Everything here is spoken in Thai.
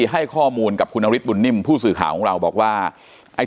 ให้ข้อมูลกับคุณนฤทธบุญนิ่มผู้สื่อข่าวของเราบอกว่าไอ้